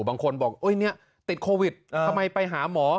บางคนบอกเนี่ยติดโควิดทำไมไปหาหมอ